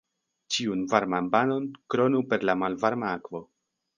Ĉiun varman banon kronu per la malvarma akvo.